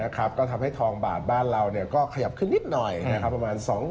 ก็ทำให้ทองบาทบ้านเราก็ขยับขึ้นนิดหน่อยประมาณ